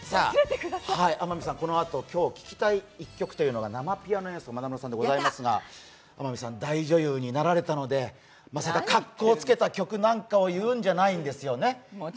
天海さん、このあと、今日聴きたい１曲というのがピアノの生演奏でありますが、大女優になられたので、まさか格好つけた曲を言うわけじゃないですよね。